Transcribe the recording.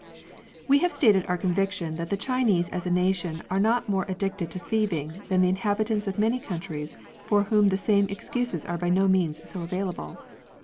We have stated our conviction that the Chinese as a nation are not more .addicted to thieving than the inhabitants of many countries for whom the same excuses are by no means so available.